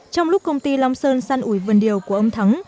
trong lúc công ty long sơn săn ủi vườn điều của ông thắng